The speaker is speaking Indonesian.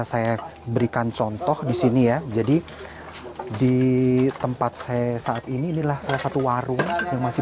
saya berikan contoh di sini ya jadi di tempat saya saat ini inilah salah satu warung yang masih